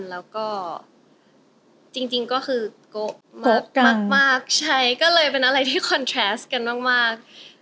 แล้วก็จริงก็คือโกะมากใช่ก็เลยเป็นอะไรที่คอนเทรสกันมาก